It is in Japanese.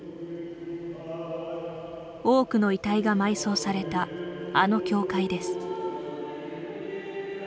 多くの遺体が埋葬されたあの教会です。